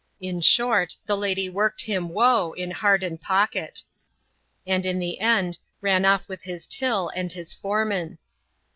Li short, the lady worked him woe in heart and pocket ; and in the end, ran off with his till and his fore man.